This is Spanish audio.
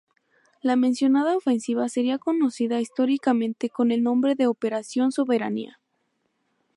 La mencionada ofensiva sería conocida históricamente con el nombre de Operación Soberanía.